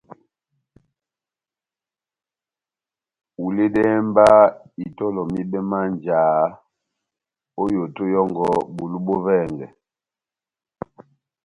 Huledɛhɛ mba itɔlɔ mibɛ má njáhá ó yoto yɔ́ngɔ bulu bó vɛngɛ.